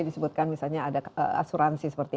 kita sebutkan misalnya ada asuransi seperti